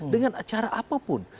dengan cara apapun